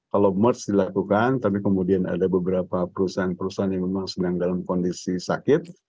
kalau merge dilakukan tapi kemudian ada beberapa perusahaan perusahaan yang memang sedang dalam kondisi sakit